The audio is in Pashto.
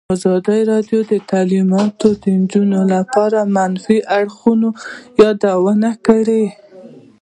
ازادي راډیو د تعلیمات د نجونو لپاره د منفي اړخونو یادونه کړې.